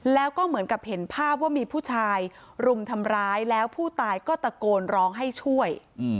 แล้วก็เหมือนกับเห็นภาพว่ามีผู้ชายรุมทำร้ายแล้วผู้ตายก็ตะโกนร้องให้ช่วย